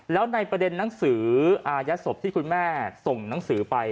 แล้วในประเด็นหนังสืออายัดศพที่คุณแม่ส่งหนังสือไป